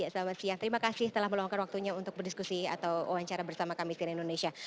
selamat siang terima kasih telah meluangkan waktunya untuk berdiskusi atau wawancara bersama kami di indonesia